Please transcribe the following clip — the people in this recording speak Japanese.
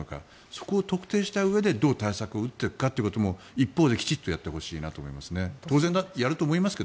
それを特定したうえでどうやって対策を打っているかを一方できちっとやってほしいなと思いますね。